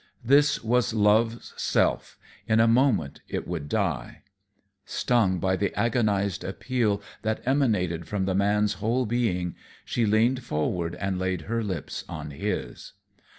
This was Love's self, in a moment it would die. Stung by the agonized appeal that emanated from the man's whole being, she leaned forward and laid her lips on his.